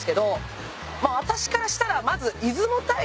私からしたらまず。